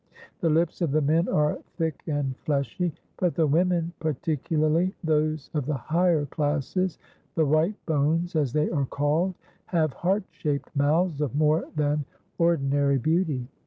The lips of the men are thick and fleshy, but the women, particularly those of the higher classes the "white bones," as they are called have heart shaped mouths of more than ordinary beauty.